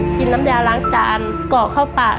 กินน้ำยาล้างจานกรอกเข้าปาก